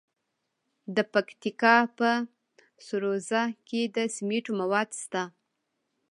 د پکتیکا په سروضه کې د سمنټو مواد شته.